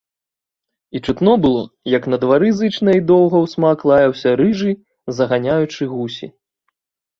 І чутно было, як на двары зычна і доўга ўсмак лаяўся рыжы, заганяючы гусі.